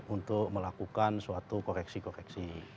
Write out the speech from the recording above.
untuk melakukan suatu koreksi koreksi